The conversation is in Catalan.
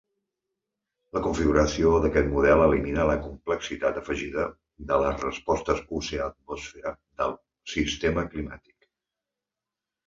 La configuració d'aquest model elimina la complexitat afegida de les respostes oceà-atmosfera del sistema climàtic.